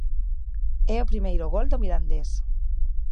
É o primeiro gol do Mirandés.